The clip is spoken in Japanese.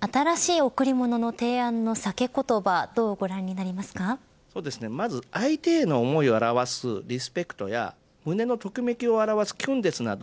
新しい贈り物の提案の酒ことばどうご覧になりますかまず相手への思いを表すリスペクトや胸のときめきを表すきゅんです、など